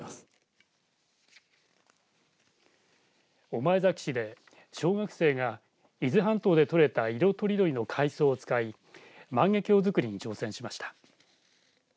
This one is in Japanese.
御前崎市で小学生が伊豆半島で取れた色とりどりの海藻を使い万華鏡づくりに挑戦しました。